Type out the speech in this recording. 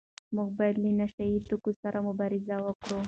موږ باید له نشه يي توکو سره مبارزه وکړو.